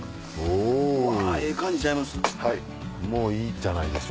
ええ感じちゃいます？